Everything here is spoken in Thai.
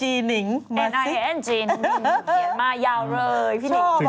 หนิงเขียนมายาวเลย